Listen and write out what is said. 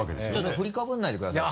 振りかぶらないでくださいよ